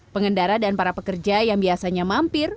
pengendara dan para pekerja yang biasanya mampir